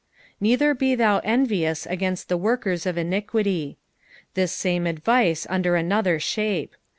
"Neither he thou enrious against the workers of iniquity.'" The same advice under another shape.